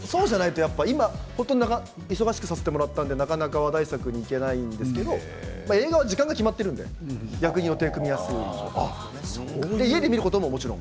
今すごく忙しくさせてもらってるのでなかなか話題作に行けないんですけど映画は時間が決まっているので逆に予定が組みやすいです。